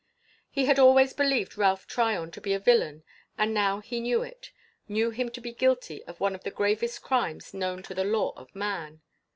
He had always believed Ralph Tryon to be a villain and now he knew it, knew him to be guilty of one of the gravest crimes known to the law of man.